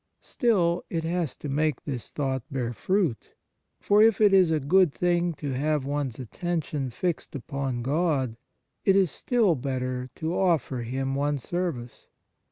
Still, it has to make this thought bear fruit ; for, if it is a good thing to have one's attention fixed upon God, it is still better to offer Him one's service.